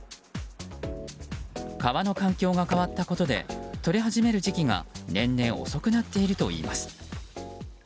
川の環境が変わったことでとれ始める時期が年々遅くなっているといいます。